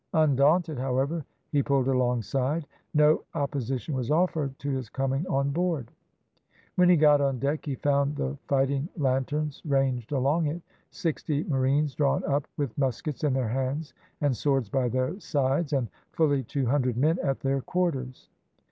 Undaunted, however, he pulled alongside. No opposition was offered to his coming on board. When he got on deck he found the fighting lanterns ranged along it, sixty marines drawn up with muskets in their hands and swords by their sides, and fully two hundred men at their quarters.